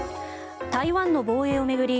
台湾の防衛を巡り